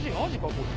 これ。